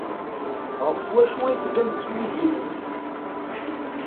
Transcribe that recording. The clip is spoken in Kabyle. Ɣef wacu ay tellamt teswingimemt?